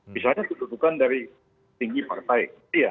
misalnya kedudukan dari tinggi partai